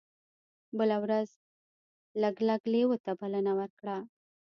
بله ورځ لګلګ لیوه ته بلنه ورکړه.